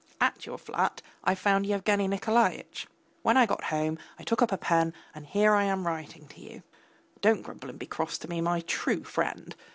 At your flat I found Yevgeny Nikolaitch. When I got home I took up a pen, and here I am writing to you. Don't grumble and be cross to me, my true friend.